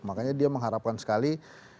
makanya dia mengharapkan sekali